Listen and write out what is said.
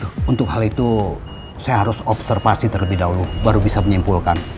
ya untuk hal itu saya harus observasi terlebih dahulu baru bisa menyimpulkan